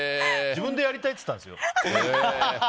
自分でやりたいって言ったんですよ。